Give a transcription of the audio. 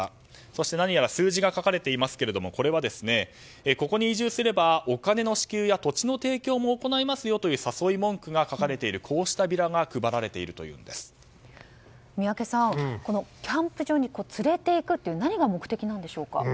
そして何やら数字が書かれていますがここに移住すればお金の支給や土地の提供も行いますよという誘い文句が書かれているこうしたビラが配られている宮家さんキャンプ場に連れていくって何が目的なんでしょうか。